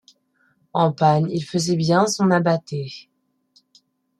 En panne il faisait bien son abatée.